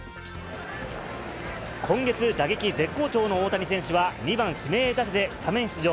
今月、打撃絶好調の大谷選手は２番指名打者でスタメン出場。